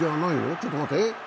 ちょっと待って。